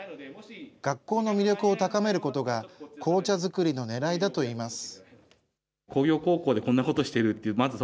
学校の魅力を高めることが、紅茶作りのねらいだといいます。